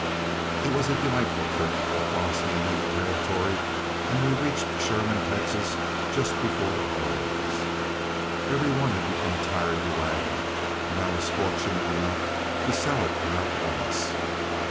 It was a delightful trip across the Indian Territory, and we reached Sherman, Texas, just before the holidays. Every one had become tired of the wagon, and I was fortunate enough to sell it without loss.